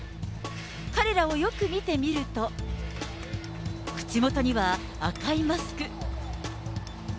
彼らをよく見てみると、口もとには赤いマスク。